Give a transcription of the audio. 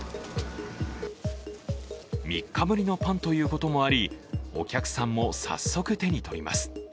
３日ぶりのパンということもありお客さんも早速、手に取ります。